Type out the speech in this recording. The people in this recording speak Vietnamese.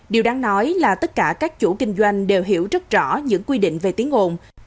điều đáng nói là tất cả các chủ kinh doanh đều hiểu rất rõ những cơ quan chức năng này